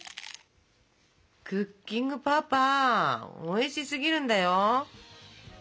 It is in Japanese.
クッキングパパおいしすぎるんだよ。